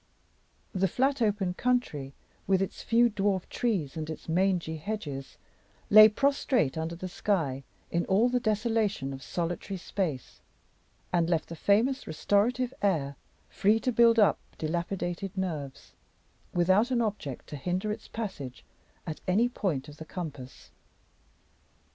The flat open country, with its few dwarf trees and its mangy hedges, lay prostrate under the sky in all the desolation of solitary space, and left the famous restorative air free to build up dilapidated nerves, without an object to hinder its passage at any point of the compass.